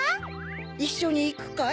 いっしょにいくかい？